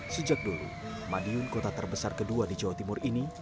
sejak dulu madiun kota terbesar kedua di jawa timur ini